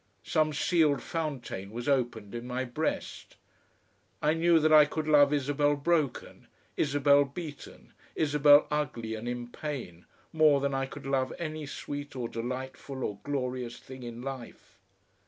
Some sealed fountain was opened in my breast. I knew that I could love Isabel broken, Isabel beaten, Isabel ugly and in pain, more than I could love any sweet or delightful or glorious thing in life.